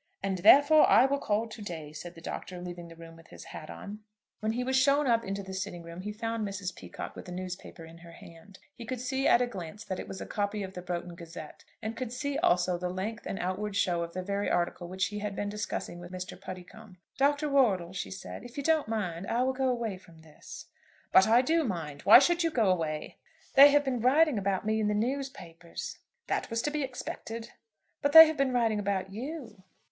"And therefore I will call to day," said the Doctor, leaving the room with his hat on. When he was shown up into the sitting room he found Mrs. Peacocke with a newspaper in her hand. He could see at a glance that it was a copy of the 'Broughton Gazette,' and could see also the length and outward show of the very article which he had been discussing with Mr. Puddicombe. "Dr. Wortle," she said, "if you don't mind, I will go away from this." "But I do mind. Why should you go away?" "They have been writing about me in the newspapers." "That was to be expected." "But they have been writing about you."